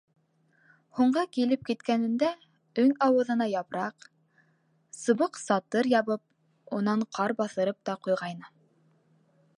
Һуңғы килеп киткәнендә өң ауыҙына япраҡ, сыбыҡ-сатыр ябып, унан ҡар баҫырып та ҡуйғайны.